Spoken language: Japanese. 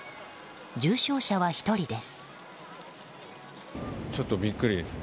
重症者は１人です。